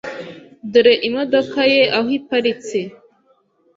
Dore imodoka ye aho iparitse.